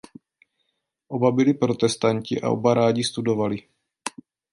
Oba byli protestanti a oba rádi studovali.